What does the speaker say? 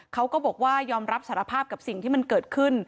เขาก็บอกว่ายอมรับสารภาพกับสิ่งที่มันเกิดขึ้น